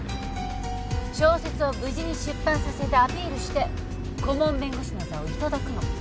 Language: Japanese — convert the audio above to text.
小説を無事に出版させてアピールして顧問弁護士の座を頂くの。